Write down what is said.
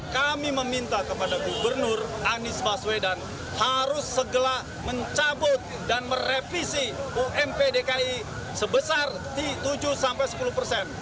kami meminta kepada gubernur anies baswedan harus segera mencabut dan merevisi ump dki sebesar tujuh sampai sepuluh persen